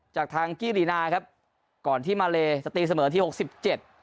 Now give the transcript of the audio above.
จากทางกี้ลีนาครับก่อนที่มาเลจะตีเสมอที่หกสิบเจ็ด